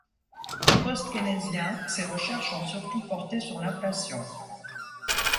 Post-keynésien, ses recherches ont surtout porté sur l'inflation.